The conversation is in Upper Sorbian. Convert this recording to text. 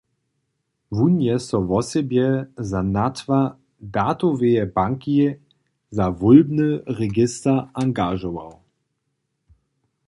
Wón je so wosebje za natwar datoweje banki za wólbny register angažował.